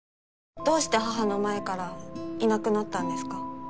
どうして母の前からいなくなったんですか？